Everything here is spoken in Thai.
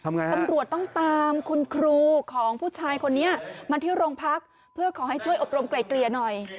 ตำรวจต้องตามคุณครูของผู้ชายคนนี้มาที่โรงพักเพื่อขอให้ช่วยอบรมไกลเกลี่ยหน่อย